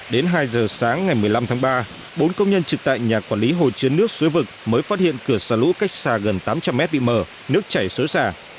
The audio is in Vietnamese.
đến hai giờ sáng ngày một mươi năm tháng ba bốn công nhân trực tại nhà quản lý hồ chứa nước suối vực mới phát hiện cửa xả lũ cách xa gần tám trăm linh mét bị mở nước chảy xối xả